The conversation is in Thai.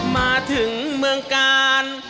มาถึงเมืองกาล